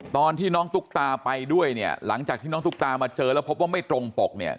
ตอนที่น้องตุ๊กตาไปด้วยเนี่ยหลังจากที่น้องตุ๊กตามาเจอแล้วพบว่าไม่ตรงปกเนี่ย